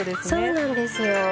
そうなんですよ。